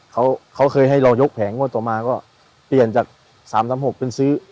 เขาเขาเคยให้เรายกแผงงวดต่อมาก็เปลี่ยนจากสามสามหกเป็นซื้อ